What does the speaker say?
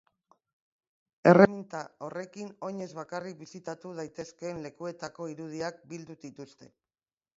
Erreminta horrekin oinez bakarrik bisitatu daitezkeen lekuetako irudiak bildu dituzte.